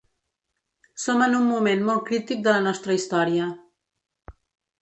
Som en un moment molt crític de la nostra història.